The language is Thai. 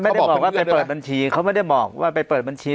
ไม่ได้บอกว่าไปเปิดบัญชีเขาไม่ได้บอกว่าไปเปิดบัญชี